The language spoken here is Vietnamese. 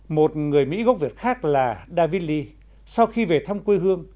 một người mỹ gốc việt khác là david lee sau khi về thăm quê hương